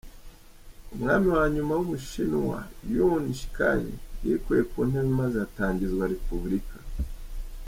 Umwami wa nyuma w’ubushinwa Yuan Shikai yikuye ku ntebe maze hatangizwa Repubulika.